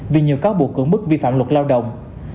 vì nhiều cáo buộc cưỡng bức vi phạm luật lao động